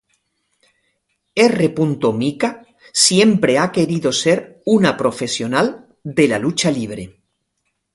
R. Mika siempre ha querido ser una profesional de la lucha libre.